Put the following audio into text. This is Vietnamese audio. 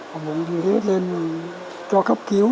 họ bụng như thế lên cho cấp cứu